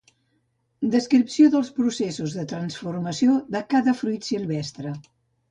Descripció dels processos de transformació de cada fruit silvestre